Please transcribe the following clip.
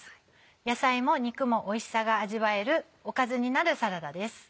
野菜も肉もおいしさが味わえるおかずになるサラダです。